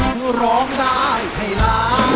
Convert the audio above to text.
คุณร้องได้ไงล่ะ